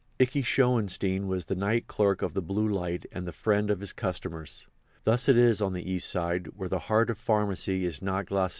Ikey Schoenstein was the night clerk of the Blue Light and the friend of his customers. Thus it is on the East Side, where the heart of pharmacy is not glacé.